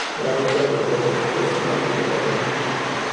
La ruta bordea la costa norte del Lago Argentino.